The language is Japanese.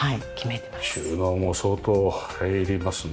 収納も相当入りますね。